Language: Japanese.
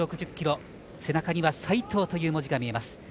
背中には斉藤という文字が見えます。